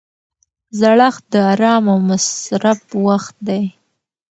زړښت د ارام او مصرف وخت دی.